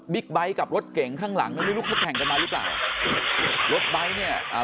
บิ๊กไบท์กับรถเก่งข้างหลังนึกว่าแข่งกันมาหรือเปล่า